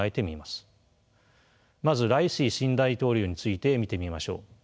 まずライシ新大統領について見てみましょう。